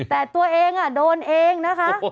แต่ตัวเองโดนเองนะคะ